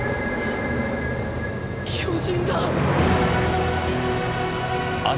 巨人だ。